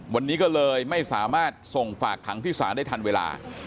วันนี้ก็เลยไม่สามารถส่งฝากขังที่ศาลได้ทันเวลา